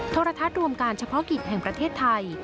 โทรทัศน์รวมการเฉพาะกิจแห่งประเทศไทย